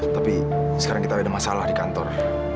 tapi sekarang kita ada masalah di kantor